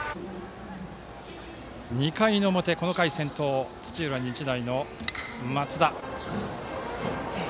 ２回表、この回先頭土浦日大の松田。